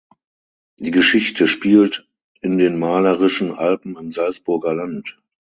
Die Geschichte spielt in den malerischen Alpen im Salzburger Land.